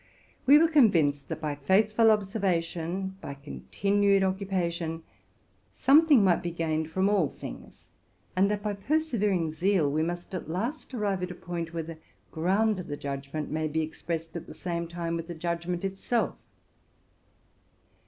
We were con vineed, that by faithful observation, by continued occupa tion, something might be gained from all things, and that by persevering zeal we must 'at last arrive at a point where the ground of the judgment may be expressed at the same time with the judgment itself.